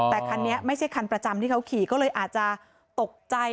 แต่คันนี้ไม่ใช่คันประจำที่เขาขี่ก็เลยอาจจะตกใจ